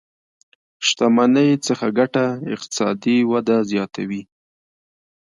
شتمنۍ څخه ګټه اقتصادي ودې زياته وي.